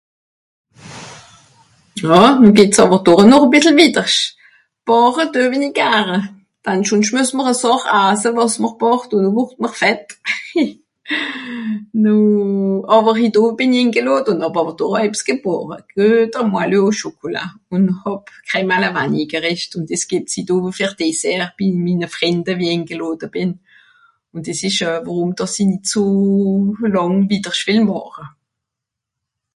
Ja... (...) bàche düe-w-i nìt gar, dann schonsch mues mr e Sàch asse wàs mr bàcht ùn noh wùrd mr fett, hihi. Noh... àwer hitt Owe bìn i ingelàde ùn hàb àwer doch ebbs gebàche. E güeter Moelleux au Chocolat ùn hàb Crème à la Vanille gerìscht, ùn dìs gìbbt's hitt Owe fer Dessert bi mine Frìnde, wie i ingelàde bìn. Ùn dìs ìsch euh... worum (...).